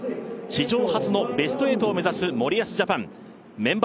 史上初のベスト８を目指す森保ジャパン。